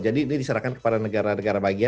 jadi ini diserahkan kepada negara negara lainnya ya pak